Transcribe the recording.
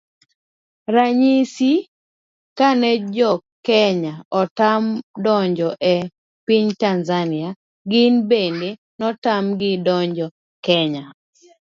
Ranyisi, kane jokenya otam donjo e piny Tazania gin bende notam gi donjo Kenya